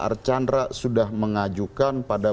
arjandra sudah mengajukan pada